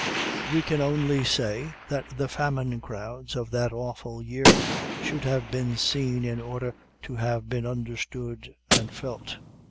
We can only say, that the famine crowds of that awful year should have been seen in order to have been understood and felt.